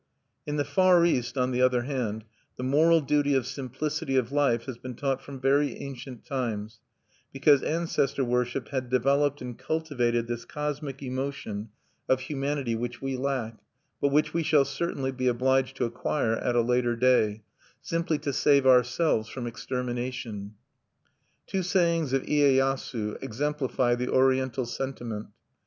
In the Far East, on the other hand, the moral duty of simplicity of life has been taught from very ancient times, because ancestor worship had developed and cultivated this cosmic emotion of humanity which we lack, but which we shall certainly be obliged to acquire at a later day, simply to save our selves from extermination, Two sayings of Iyeyasu exemplify the Oriental sentiment.